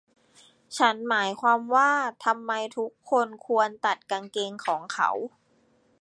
ฉันหมายความว่า ทำไมทุกคนควรตัดกางเกงของเขา ?